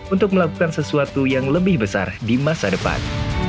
untuk melakukan sesuatu yang lebih besar di masa depan